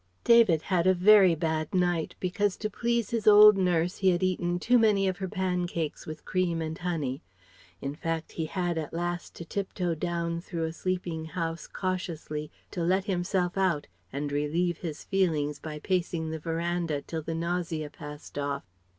David had a very bad night, because to please his old nurse he had eaten too many of her pancakes with cream and honey. In fact, he had at last to tip toe down through a sleeping house cautiously to let himself out and relieve his feelings by pacing the verandah till the nausea passed off.